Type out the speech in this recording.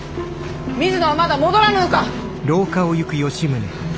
水野はまだ戻らぬのか！